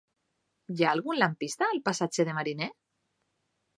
Hi ha algun lampista al passatge de Mariné?